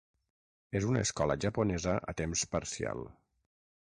És una escola japonesa a temps parcial.